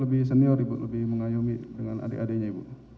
lebih senior ibu lebih mengayomi dengan adik adiknya ibu